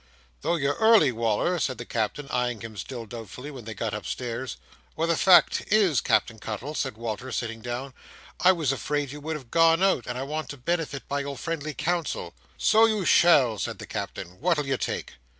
"Though you're early, Wal"r," said the Captain, eyeing him still doubtfully, when they got upstairs: "Why, the fact is, Captain Cuttle," said Walter, sitting down, "I was afraid you would have gone out, and I want to benefit by your friendly counsel." "So you shall," said the Captain; "what'll you take?"